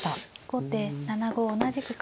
後手７五同じく角。